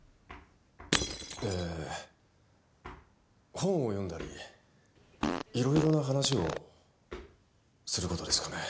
えー本を読んだり色々な話をすることですかね。